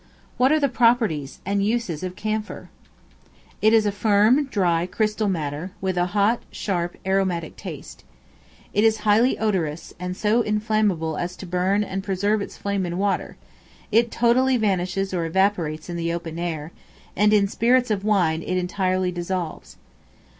What are the properties and uses of Camphor? It is a firm, dry, crystal matter, with a hot, sharp, aromatic taste. It is highly odorous, and so inflammable as to burn and preserve its flame in water; it totally vanishes or evaporates in the open air, and in Spirits of Wine it entirely dissolves.